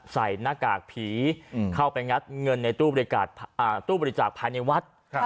ใส่หน้ากากผีเข้าไปงัดเงินในตู้บริจาคภายในวัด